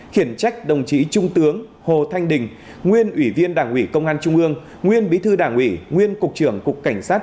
khiển trách đồng chí trung tướng hồ thanh đình nguyên ủy viên đảng ủy công an trung ương nguyên bí thư đảng ủy nguyên cục trưởng cục cảnh sát